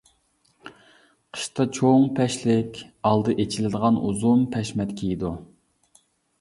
قىشتا چوڭ پەشلىك، ئالدى ئېچىلىدىغان ئۇزۇن پەشمەت كىيىدۇ.